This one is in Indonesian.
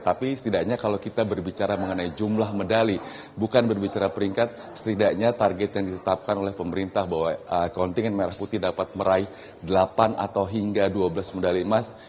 tapi setidaknya kalau kita berbicara mengenai jumlah medali bukan berbicara peringkat setidaknya target yang ditetapkan oleh pemerintah bahwa kontingen merah putih dapat meraih delapan atau hingga dua belas medali emas